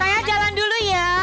saya jalan dulu ya